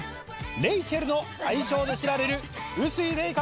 レイチェルの愛称で知られる臼井麗香